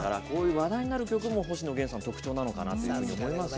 話題になる曲も星野源さんの特徴なのかなと。